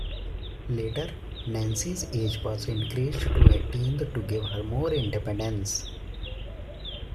Later, Nancy's age was increased to eighteen to give her more independence.